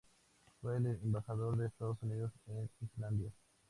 Fue el Embajador de Estados Unidos en Islandia.